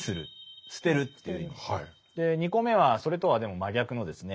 ２個目はそれとはでも真逆のですね